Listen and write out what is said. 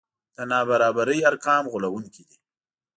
د نابرابرۍ ارقام غولوونکي دي.